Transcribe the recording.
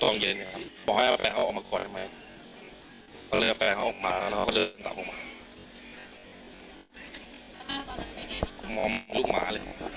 ต้องเย็นออกมาแล้วออกมาแล้วก็เริ่มลุกหมาเลย